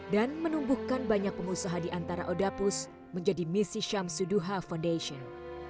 dan menumbuhkan banyak pengusaha di antara odapus menjadi misi syamsiduha foundation